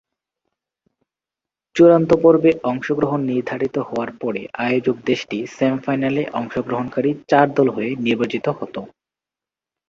চূড়ান্ত পর্বে অংশগ্রহণ নির্ধারিত হওয়ার পরে আয়োজক দেশটি সেম-ফাইনালে অংশগ্রহণকারী চার দল হয়ে নির্বাচিত হতো।